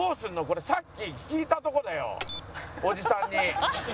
これさっき聞いたとこだよおじさんに。